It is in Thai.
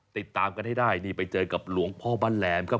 ติดตามกันให้ได้นี่ไปเจอกับหลวงพ่อบ้านแหลมครับ